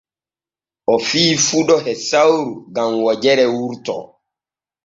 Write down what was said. O fiyi fuɗo e sawru gam wojere wurto.